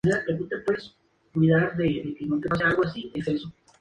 Dickinson Woodruff Richards Jr.